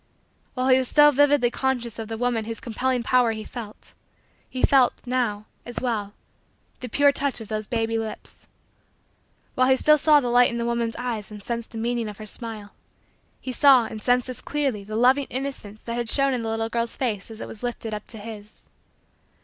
While he was still vividly conscious of the woman whose compelling power he felt, he felt, now, as well, the pure touch of those baby lips. While he still saw the light in the woman's eyes and sensed the meaning of her smile, he saw and sensed as clearly the loving innocence that had shown in the little girl's face as it was lifted up to his.